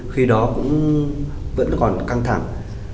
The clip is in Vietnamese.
khi đó cũng vẫn còn căng thẳng